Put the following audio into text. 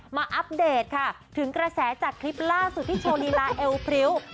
อัปเดตค่ะถึงกระแสจากคลิปล่าสุดที่โชว์ลีลาเอวพริ้ว